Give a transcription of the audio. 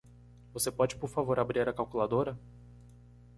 Você pode por favor abrir a calculadora?